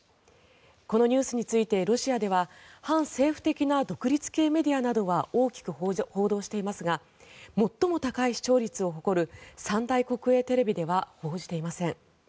このニュースについてロシアでは反政府的な独立系メディアなどが大きく報道していますが最も高い視聴率を誇る三大国営テレビでは報じていません。